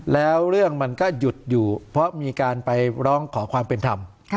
แล้วเรื่องมันก็หยุดอยู่เพราะมีการไปร้องขอความเป็นธรรม